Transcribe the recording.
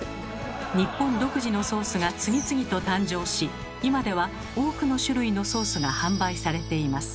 日本独自のソースが次々と誕生し今では多くの種類のソースが販売されています。